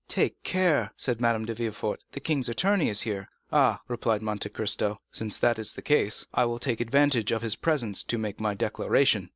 "Take care," said Madame de Villefort, "the king's attorney is here." "Ah," replied Monte Cristo, "since that is the case, I will take advantage of his presence to make my declaration."